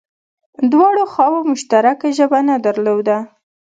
دواړو خواوو مشترکه ژبه نه درلوده